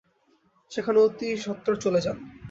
সেখানে অতিস্বত্ত্বর চলে যান।